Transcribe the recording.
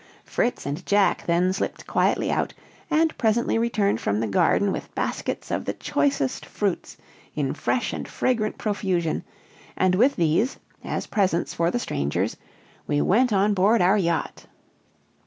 Fritz and Jack then slipped quietly out, and presently returned from the garden with baskets of the choicest fruits in fresh and fragrant profusion, and with these, as presents for the strangers, we went on board our yacht.